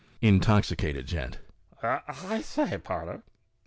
Intoxicated Gent. " I say, porter."